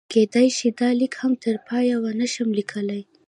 کېدای شي دا لیک هم تر پایه ونه شم لیکلی.